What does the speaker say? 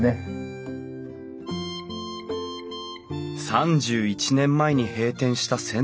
３１年前に閉店した銭湯。